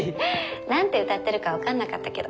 何て歌ってるか分かんなかったけど。